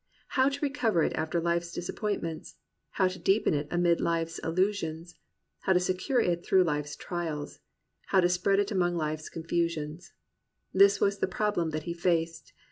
How to recover it after life's disappointments, how to deepen it amid life's illusions, how to secure it through life's trials, how to spread it among life's confusions, — this was the problem that he faced.